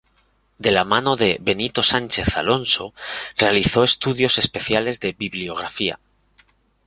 De la mano de Benito Sánchez Alonso realizó estudios especiales de bibliografía.